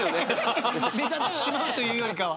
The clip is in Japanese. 「目立ってしまう」というよりかは。